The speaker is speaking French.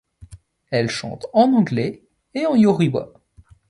Elle chante en anglais et en yoruba.